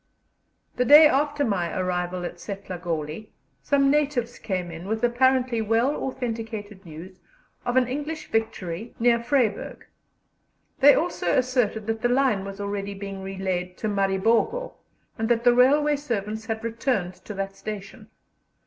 The day after my arrival at Setlagoli some natives came in with apparently well authenticated news of an English victory near Vryburg. They also asserted that the line was already being relaid to Maribogo, and that the railway servants had returned to that station.